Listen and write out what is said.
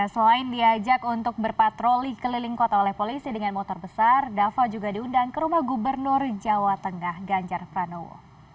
selain diajak untuk berpatroli keliling kota oleh polisi dengan motor besar dava juga diundang ke rumah gubernur jawa tengah ganjar pranowo